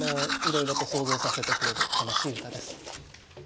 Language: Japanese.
いろいろと想像させてくれる楽しい歌です。